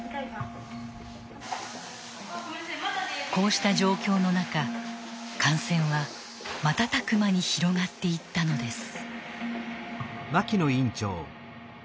こうした状況の中感染は瞬く間に広がっていったのです。